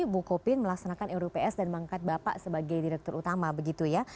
bukopin melaksanakan ruups dan mengangkat bapak sebagai direktur utama begitu ya